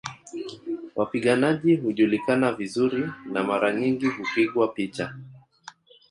Wapiganaji hujulikana vizuri na mara nyingi hupigwa picha